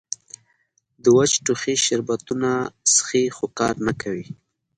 د وچ ټوخي شربتونه څښي خو کار نۀ کوي